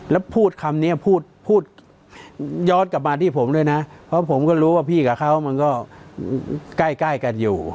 แล้วพูดคำนี้พูดพูดย้อนกลับมาที่ผมด้วยนะเพราะผมก็รู้ว่าพี่กับเขามันก็ใกล้กันอยู่